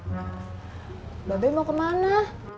mbak be mau kemana